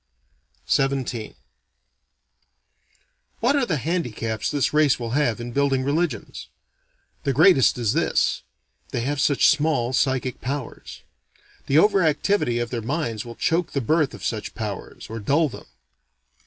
XVII What are the handicaps this race will have in building religions? The greatest is this: they have such small psychic powers. The over activity of their minds will choke the birth of such powers, or dull them.